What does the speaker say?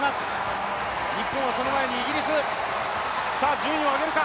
順位を上げるか。